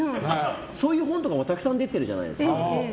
そういう本とかもたくさん出てるじゃないですか。